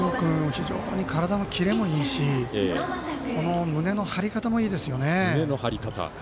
非常に体のキレもいいし胸の張り方もいいですよね。